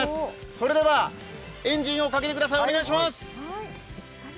それではエンジンをかけてください、お願いします。